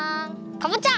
かぼちゃ！